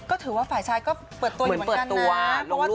ก็ถือว่าฝ่ายชายก็เปิดตัวอยู่เหมือนกันนะ